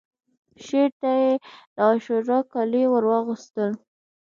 شعر ته یې د عاشورا کالي ورواغوستل